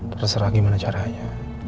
terserah bagaimana caranya